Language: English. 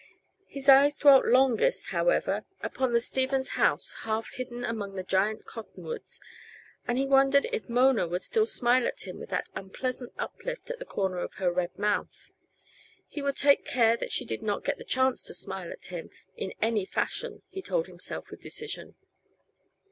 His eyes dwelt longest, however, upon the Stevens house half hidden among the giant cottonwoods, and he wondered if Mona would still smile at him with that unpleasant uplift at the corner of her red mouth. He would take care that she did not get the chance to smile at him in any fashion, he told himself with decision.